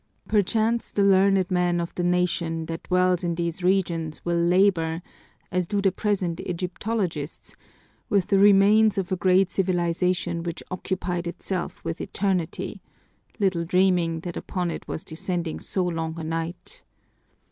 Perchance the learned men of the nation that dwells in these regions will labor, as do the present Egyptologists, with the remains of a great civilization which occupied itself with eternity, little dreaming that upon it was descending so long a night.